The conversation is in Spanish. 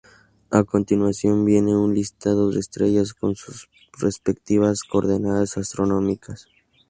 A continuación viene un listado de estrellas con sus respectivas coordenadas astronómicas.